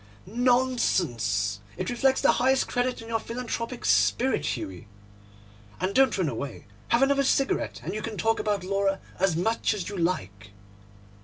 'Nonsense! It reflects the highest credit on your philanthropic spirit, Hughie. And don't run away. Have another cigarette, and you can talk about Laura as much as you like.